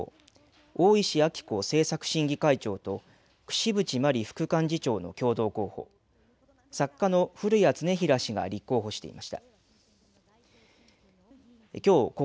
大石晃子政策審議会長と櫛渕万里副幹事長の共同候補作家の古谷経衡氏が立候補していました。